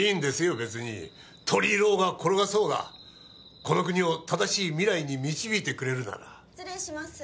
別に取り入ろうが転がそうがこの国を正しい未来に導いてくれるなら・失礼します